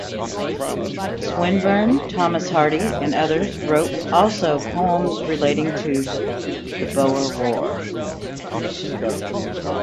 Swinburne, Thomas Hardy, and others wrote also poems relating to the Boer War.